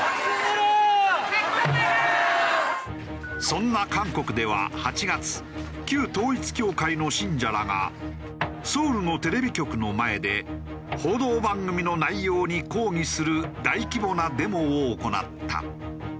そんな韓国では８月旧統一教会の信者らがソウルのテレビ局の前で報道番組の内容に抗議する大規模なデモを行った。